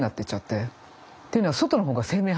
っていうのは外の方が生命反応が多い。